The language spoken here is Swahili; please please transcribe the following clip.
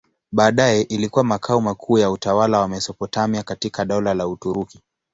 Baadaye ilikuwa makao makuu ya utawala wa Mesopotamia katika Dola la Uturuki.